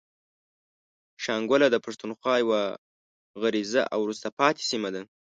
شانګله د پښتونخوا يوه غريزه او وروسته پاتې سيمه ده.